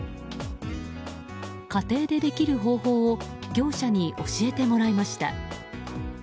家庭でできる方法を業者に教えてもらいました。